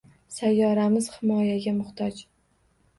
Sayyoramiz himoyaga muhtoj.